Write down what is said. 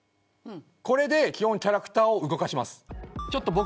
これで基本キャラクターを動かします。